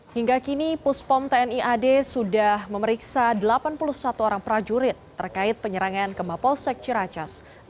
hingga kini puspom tni ad sudah memeriksa delapan puluh satu orang prajurit terkait penyerangan ke mapolsek ciracas